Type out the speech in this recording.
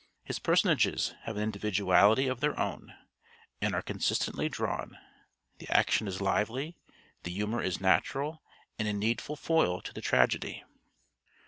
His personages have an individuality of their own and are consistently drawn; the action is lively, the humor is natural and a needful foil to the tragedy.